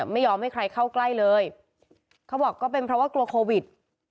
ไม่ยอมให้ใครเข้าใกล้เลยเขาบอกก็เป็นเพราะว่ากลัวโควิด